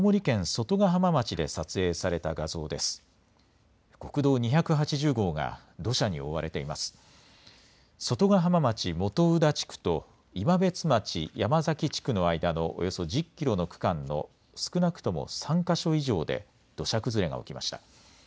外ヶ浜町元宇田地区と今別町山崎地区の間のおよそ１０キロの区間の少なくとも３か所以上で土砂崩れが起きました。